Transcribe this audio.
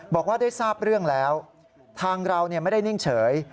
บอกว่าได้ทราบเรื่องแล้วทางเราไม่ได้นิ่งเฉย